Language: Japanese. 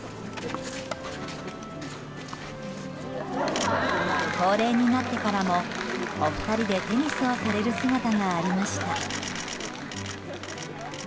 ご高齢になってからもお二人でテニスをされる姿がありました。